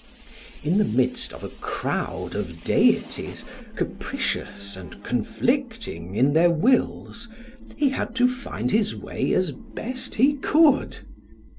In the midst of a crowd of deities, capricious and conflicting in their wills, he had to find his way as best he could.